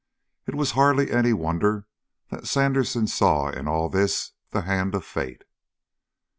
It was hardly any wonder that Sandersen saw in all this the hand of fate.